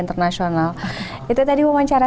internasional itu tadi wawancara